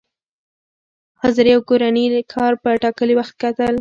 حاضري او کورني کار په ټاکلي وخت کتل،